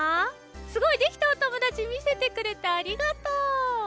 すごい！できたおともだちみせてくれてありがとう。